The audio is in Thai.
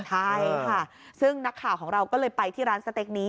ใช่ค่ะซึ่งนักข่าวของเราก็เลยไปที่ร้านสเต็กนี้